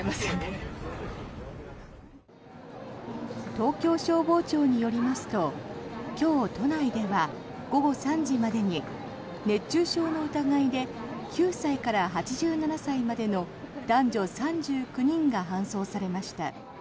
東京消防庁によりますと今日、都内では午後３時までに熱中症の疑いで９歳から８７歳までの男女３９人が搬送されました。